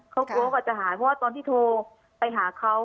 เขากลัวว่าจะหายเพราะว่าตอนที่โทรไปหาเขา